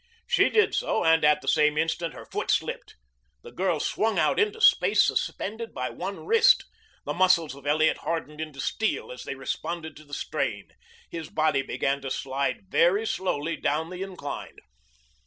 She did so, and at the same instant her foot slipped. The girl swung out into space suspended by one wrist. The muscles of Elliot hardened into steel as they responded to the strain. His body began to slide very slowly down the incline.